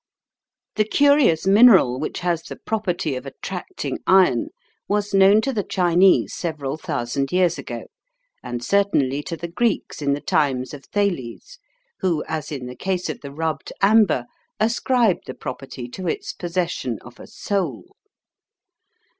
The curious mineral which has the property of attracting iron was known to the Chinese several thousand years ago, and certainly to the Greeks in the times of Thales, who, as in the case of the rubbed amber, ascribed the property to its possession of a soul.